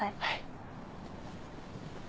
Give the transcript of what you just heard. はい。